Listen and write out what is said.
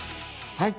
はい！